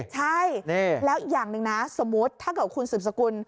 ใช่แล้วอย่างหนึ่งนะสมมุติถ้าเกิดคุณสืบสกุล